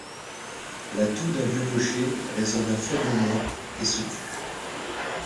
La toux d’un vieux cocher résonna faiblement et se tut.